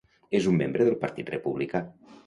És un membre del Partit Republicà.